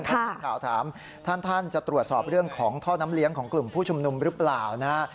ทีมข่าวถามท่านจะตรวจสอบเรื่องของท่อน้ำเลี้ยงของกลุ่มผู้ชุมนุมหรือเปล่านะฮะ